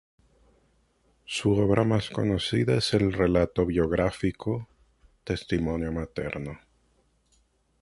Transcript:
Su obra más conocida es el relato biográfico "Testimonio materno".